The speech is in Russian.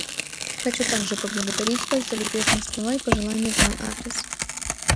Хочу также поблагодарить вас за любезные слова и пожелания в мой адрес.